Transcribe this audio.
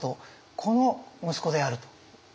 この息子であると。